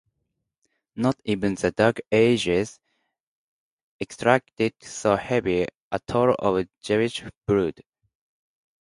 Not even the dark ages extracted so heavy a toll of Jewish blood.